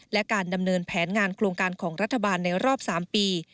และการดำเนินแผนงานโครงการของรัฐบาลในรอบ๓ปี